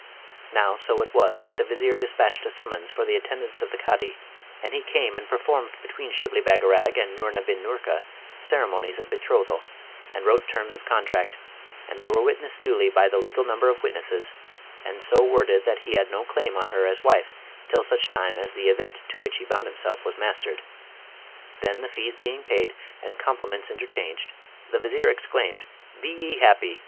Now, so it was that the Vizier despatched a summons for the attendance of the Cadi, and he came and performed between Shibli Bagarag and Noorna bin Noorka ceremonies of betrothal, and wrote terms of contract; and they were witnessed duly by the legal number of witnesses, and so worded that he had no claim on her as wife till such time as the Event to which he bound himself was mastered. Then the fees being paid, and compliments interchanged, the Vizier exclaimed, 'Be ye happy!